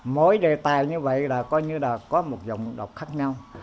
mỗi đề tài như vậy là coi như là có một dòng đọc khác nhau